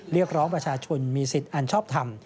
เรียกร้องประชาชนมีสิทธิ์อันชอบทำ